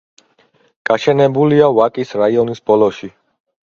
გაშენებულია ვაკის რაიონის ბოლოში.